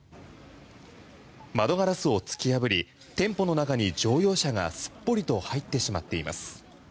窓ガラスを突き破り店舗の中に乗用車がすっぽりと入ってしまっています。